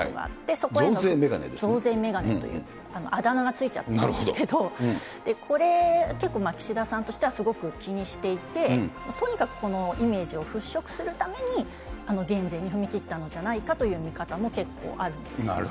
そこへの。増税メガネという、あだ名がついちゃってるんですけれども、これ、結構岸田さんとしてはすごく気にしていて、とにかくこのイメージを払拭するために減税に踏み切ったのじゃないかという見方も結構あるんですね。